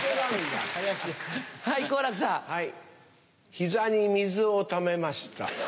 膝に水をためました。